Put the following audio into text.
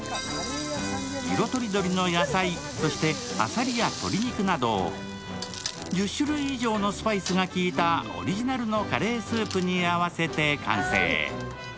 色とりどりの野菜、そしてあさりや鶏肉など、１０種類以上のスパイスが利いたオリジナルのカレースープに合わせて完成。